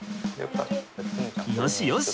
よしよし！